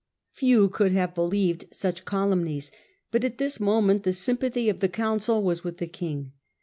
Few could have believed such calumnies, but at this moment the sympathy of the council was with the king.